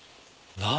何？